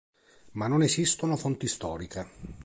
Ma non esistono fonti storiche.